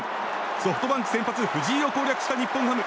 ソフトバンク先発、藤井を攻略した日本ハム。